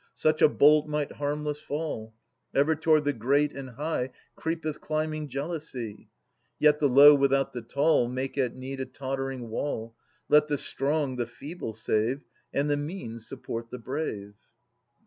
Such a bolt might harmless fall. Ever toward the great and high Creepeth climbing jealousy. Yet the low without the tall Make at need a tottering wall. Let the strong the feeble save And the mean support the brave.